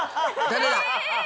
誰だ？